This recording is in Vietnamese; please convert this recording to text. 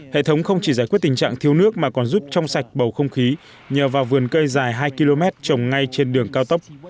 hệ thống không chỉ giải quyết tình trạng thiếu nước mà còn giúp trong sạch bầu không khí nhờ vào vườn cây dài hai km trồng ngay trên đường cao tốc